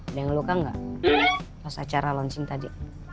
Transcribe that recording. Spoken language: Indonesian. udah ngeluka nggak pas acara launching tadi